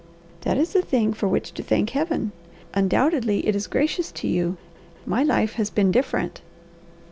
"That is a thing for which to thank Heaven. Undoubtedly it is gracious to you. My life has been different."